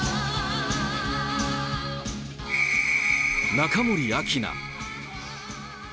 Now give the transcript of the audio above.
中森明菜。